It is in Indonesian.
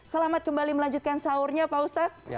selamat kembali melanjutkan sahurnya pak ustadz